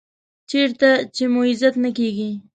چېرته چې مو عزت نه کېږي .